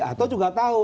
atau juga tahu